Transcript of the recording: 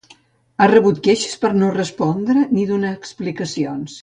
Ha rebut queixes per no respondre ni donar explicacions.